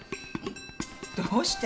どうして？